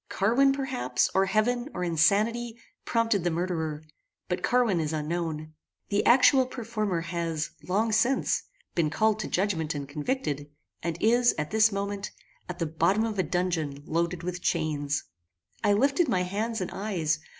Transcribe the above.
Carwin, perhaps, or heaven, or insanity, prompted the murderer; but Carwin is unknown. The actual performer has, long since, been called to judgment and convicted, and is, at this moment, at the bottom of a dungeon loaded with chains." I lifted my hands and eyes.